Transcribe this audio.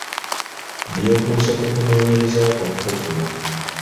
Byekuusa ku kunoonyereza kwaffe kuno.